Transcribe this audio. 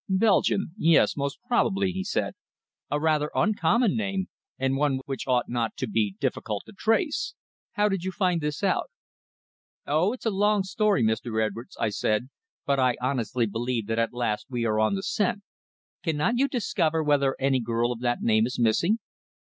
"Belgian? Yes, most probably," he said. "A rather uncommon name, and one which ought not to be difficult to trace. How did you find this out?" "Oh, it's a long story, Mr. Edwards," I said. "But I honestly believe that at last we are on the scent. Cannot you discover whether any girl of that name is missing?"